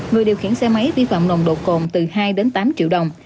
người điều khiển xe máy vi phạm nồng độ cồn từ hai đến tám triệu đồng